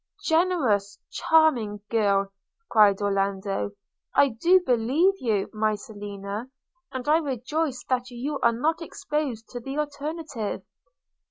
'Generous, charming girl!' cried Orlando; 'I do believe you, my Selina; and I rejoice that you are not exposed to the alternative.